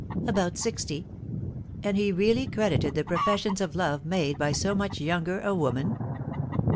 "About sixty." "And he really credited the professions of love made by so much younger a woman?"